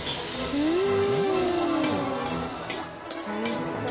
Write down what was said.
うん。